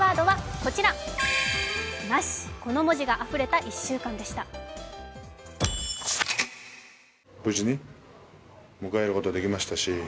この文字があふれた１週間でした。